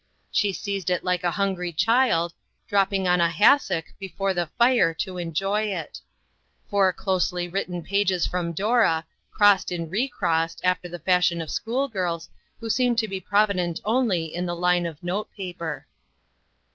She seized it like a hungry child, dropping on a has sock before the fire to enjoy it. Four closely written pages from Dora, crossed and re crossed, after the fashion of schoolgirls, who seem to be provident only in the line of note paper.